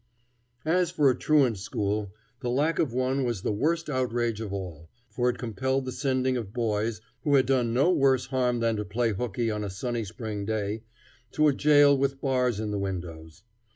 As for a truant school, the lack of one was the worst outrage of all, for it compelled the sending of boys, who had done no worse harm than to play hooky on a sunny spring day, to a jail with iron bars in the windows.